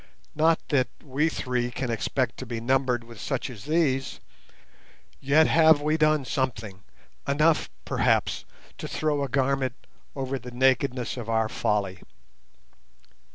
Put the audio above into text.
Not that we three can expect to be numbered with such as these, yet have we done something—enough, perhaps, to throw a garment over the nakedness of our folly.